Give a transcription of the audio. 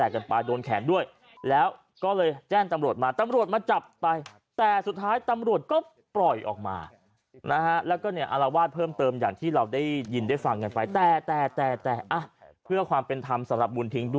ก็เลยจะโกนถามว่าเป็นอะไร